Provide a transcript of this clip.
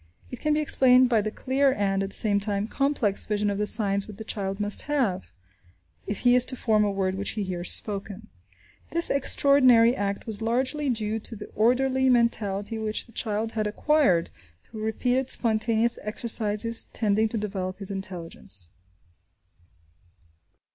It can be explained by the clear and, at the same time, complex vision of the signs which the child must have, if he is to form a word which he hears spoken. This extraordinary act was largely due to the orderly mentality which the child had acquired through repeated spontaneous exercises tending to develop his intelligence.